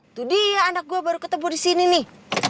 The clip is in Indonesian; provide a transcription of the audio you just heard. itu dia anak gua baru ketemu disini nih